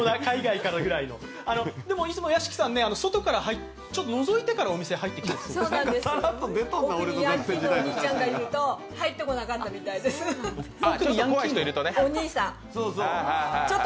でもいつも屋敷さん、外からちょっとのぞいてから入ってきていたと。